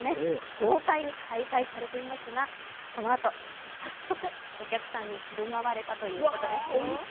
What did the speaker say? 豪快に解体されていますがそのあと、早速、お客さんに振る舞われたということです。